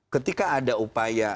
ketika ada upaya